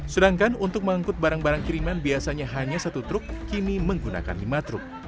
sedangkan untuk mengangkut barang barang kiriman biasanya hanya satu truk kini menggunakan lima truk